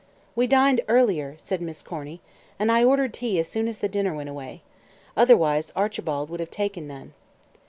"We dined earlier," said Miss Corny, "and I ordered tea as soon as the dinner went away. Otherwise, Archibald would have taken none."